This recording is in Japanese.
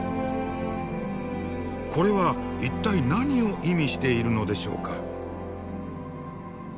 これは一体何を意味しているのでしょうか。